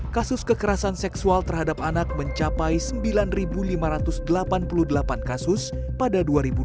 kasus kekerasan seksual terhadap anak mencapai sembilan lima ratus delapan puluh delapan kasus pada dua ribu dua puluh